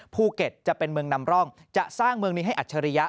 ภูเก็ตจะเป็นเมืองนำร่องจะสร้างเมืองนี้ให้อัจฉริยะ